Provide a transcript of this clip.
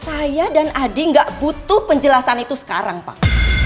saya dan adi nggak butuh penjelasan itu sekarang pak